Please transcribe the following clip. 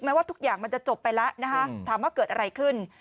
ว่าทุกอย่างมันจะจบไปแล้วนะคะถามว่าเกิดอะไรขึ้น